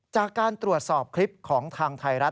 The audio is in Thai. จากการตรวจสอบคลิปของทางไทยรัฐ